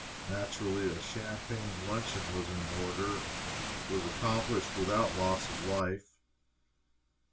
Naturally, a champagne luncheon was in order, and was accomplished without loss of life.